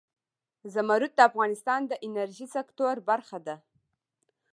زمرد د افغانستان د انرژۍ سکتور برخه ده.